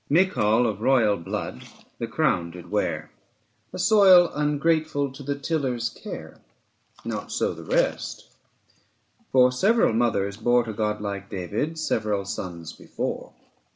10 Michal, of royal blood, the crown did wear, A soil ungrateful to the tiller's care: Not so the rest; for several mothers bore To god like David several sons before.